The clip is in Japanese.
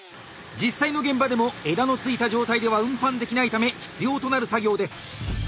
実際の現場でも枝のついた状態では運搬できないため必要となる作業です。